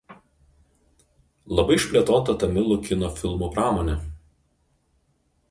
Labai išplėtota tamilų kino filmų pramonė.